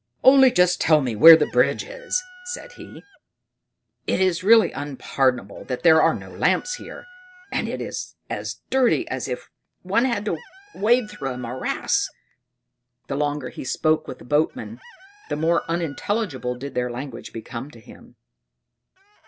"Only just tell me where the bridge is," said he. "It is really unpardonable that there are no lamps here; and it is as dirty as if one had to wade through a morass." The longer he spoke with the boatmen, the more unintelligible did their language become to him.